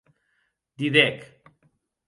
Didec.